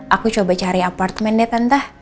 aku coba cari apartemen deh tante